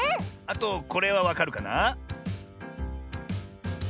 あとこれはわかるかな？